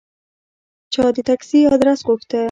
چا د تکسي آدرس غوښته.